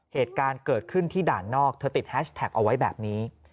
เหตุการณ์เกิดขึ้นที่ด่านนอกเธอติดแฮชแท็กเอาไว้แบบนี้